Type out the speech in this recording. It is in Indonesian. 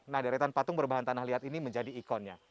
nah deretan patung berbahan tanah liat ini menjadi ikonnya